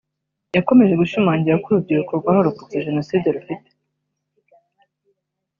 yakomeje ashimangira ko urubyiruko rwarokotse Jenoside rufite